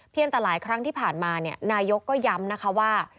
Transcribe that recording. แต่หลายครั้งที่ผ่านมานายกก็ย้ำนะคะว่า